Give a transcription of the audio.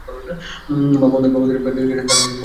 বাবা অনাথবাবুদের বাড়ি গেছেন, তাঁরও আসতে দেরি হবে না।